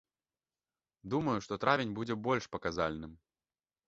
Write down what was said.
Думаю, што травень будзе больш паказальным.